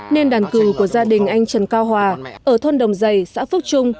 nên đàn cừu của gia đình anh trần cao hòa ở thôn đồng giày xã phước trung